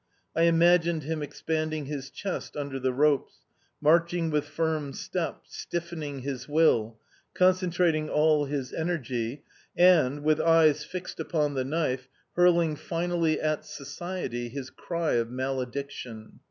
I imagined him expanding his chest under the ropes, marching with firm step, stiffening his will, concentrating all his energy, and, with eyes fixed upon the knife, hurling finally at society his cry of malediction.